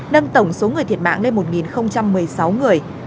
nâng tổng số người thiệt mạng lên một một mươi sáu người